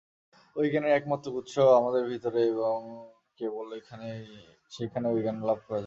ঐ জ্ঞানের একমাত্র উৎস আমাদের ভিতরে এবং কেবল সেইখানেই ঐ জ্ঞান লাভ করা যায়।